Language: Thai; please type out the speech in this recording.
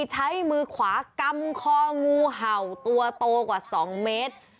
ใช้มือขวากำคองูเห่าตัวโตกว่า๒เมตร